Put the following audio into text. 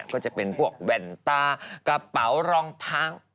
ก็จะเป็นพวกแว่นตากระเป๋ารองเท้า